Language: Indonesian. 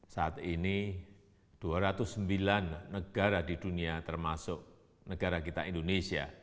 saat ini dua ratus sembilan negara di dunia termasuk negara kita indonesia